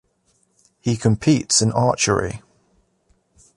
He competes in archery.